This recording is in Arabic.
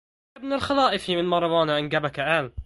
يا ابن الخلائف من مروان أنجبك ال